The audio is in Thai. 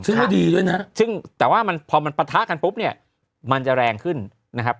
ซึ่งไม่ดีด้วยนะซึ่งแต่ว่ามันพอมันปะทะกันปุ๊บเนี่ยมันจะแรงขึ้นนะครับ